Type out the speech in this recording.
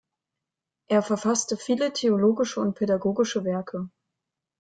Er verfasste viele theologische und pädagogische Werke.